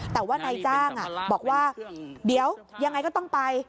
แต่ว่านายจ้างบอกว่าเดี๋ยวยังไงก็ต้องไป